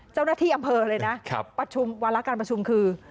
เจ้าหน้าที่อำเภอเลยนะประชุมวาระการประชุมคือ